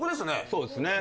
そうですね